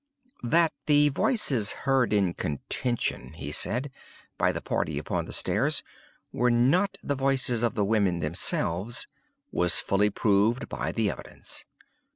"That the voices heard in contention," he said, "by the party upon the stairs, were not the voices of the women themselves, was fully proved by the evidence.